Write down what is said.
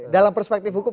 dalam perspektif hukum